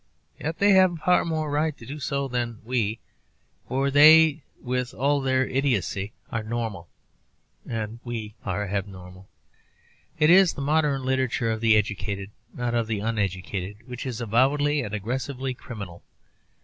Yet they have far more right to do so than we; for they, with all their idiotcy, are normal and we are abnormal. It is the modern literature of the educated, not of the uneducated, which is avowedly and aggressively criminal.